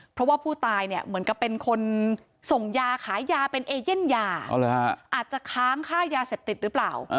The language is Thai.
เพราะว่าผู้ตายเนี่ยเหมือนกับเป็นคนส่งยาขายยาเป็นเอเย่นยาอาจจะค้างค่ายาเสพติดหรือเปล่า